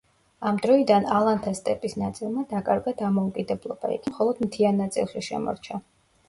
ამ დროიდან ალანთა სტეპის ნაწილმა დაკარგა დამოუკიდებლობა, იგი მხოლოდ მთიან ნაწილში შემორჩა.